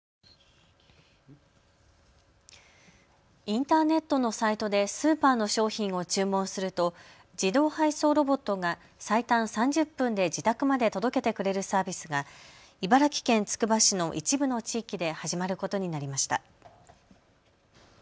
インターネットのサイトでスーパーの商品を注文すると自動配送ロボットが最短３０分で自宅まで届けてくれるサービスが茨城県つくば市の一部の地域で始まることになりました。